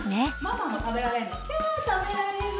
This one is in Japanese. ママも食べられるの？